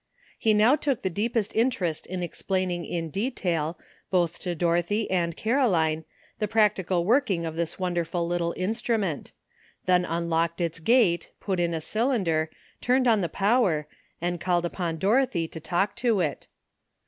He now took the deepest interest in explaining in detail, both to Dorothy and Caroline, the practical working of this wonderful little instrument ; then unlocked its gate, put in a cylinder, turned on the power, and called upon Dorothy to talk to it.